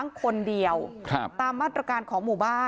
มีแต่เสียงตุ๊กแก่กลางคืนไม่กล้าเข้าห้องน้ำด้วยซ้ำ